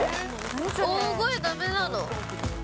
大声だめなの？